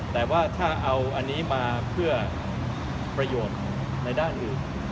แต่ว่าถ้าเอาอันนี้มาเพื่อประโยชน์ในด้านอื่น